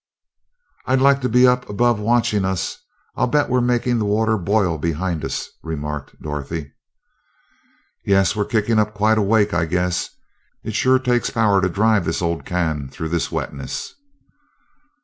"I'd like to be up above watching us. I bet we're making the water boil behind us," remarked Dorothy. "Yeah, we're kicking up quite a wake, I guess. It sure takes power to drive the old can through this wetness."